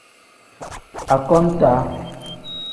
Akontaa.